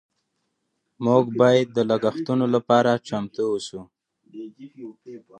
موږ باید د لګښتونو لپاره چمتو اوسو.